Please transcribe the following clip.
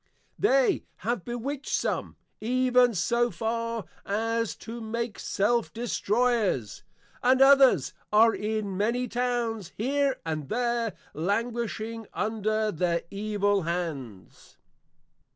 They have bewitched some, even so far as to make Self destroyers: and others are in many Towns here and there languishing under their Evil hands.